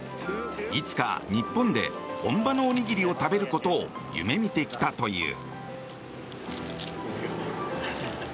いつか日本で本場のおにぎりを食べることを夢見てきたという。